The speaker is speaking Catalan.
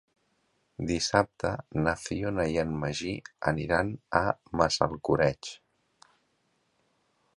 Dissabte na Fiona i en Magí aniran a Massalcoreig.